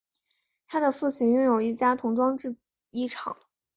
他的父亲拥有一家童装制衣厂。